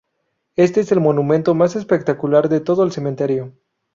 Este es el monumento más espectacular de todo el cementerio.